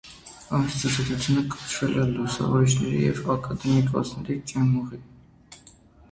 Այդ ցուցադրությունը կոչվել է լուսավորիչների և ակադեմիկոսների ճեմուղի։